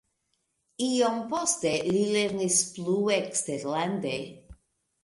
Iom poste li lernis plu eksterlande.